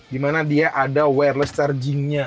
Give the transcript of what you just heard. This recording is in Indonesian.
dimana dia ada awareless chargingnya